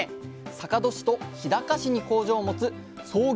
坂戸市と日高市に工場を持つ創業